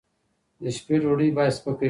د شپې ډوډۍ باید سپکه وي